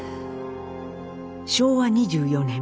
昭和２４年